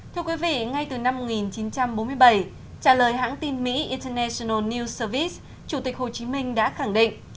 thưa quý vị ngay từ năm một nghìn chín trăm bốn mươi bảy trả lời hãng tin mỹ international news service chủ tịch hồ chí minh đã khẳng định